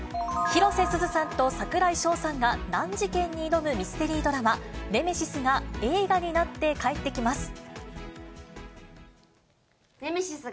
広瀬すずさんと櫻井翔さんが難事件に挑むミステリードラマ、ネメシスが、映画になって帰ってきます。